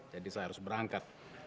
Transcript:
jadi saya harus berangkat